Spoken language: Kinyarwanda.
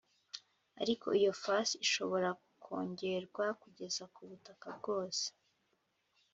Ariko iyo fasi ishobora kongerwa kugeza ku butaka bwose